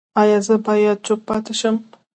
ایا زه باید چوپ پاتې شم؟